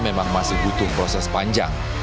memang masih butuh proses panjang